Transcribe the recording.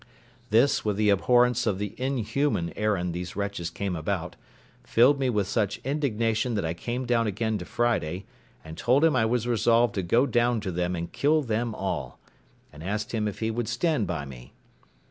This, with the abhorrence of the inhuman errand these wretches came about, filled me with such indignation that I came down again to Friday, and told him I was resolved to go down to them and kill them all; and asked him if he would stand by me.